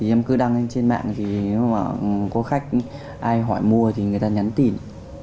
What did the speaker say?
em cứ đăng trên mạng nếu có khách ai hỏi mua thì người ta nhắn tìm